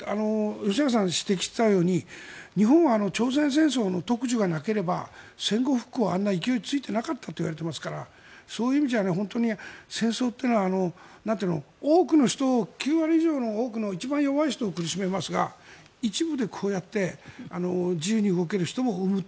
吉永さんが指摘していたように日本は朝鮮戦争の特需がなければ戦後復興はあんな勢い付いていなかったといわれていますからそういう意味じゃ戦争というのは多くの人を、９割以上の一番弱い人を苦しめますが一部でこうやって自由に動ける人も。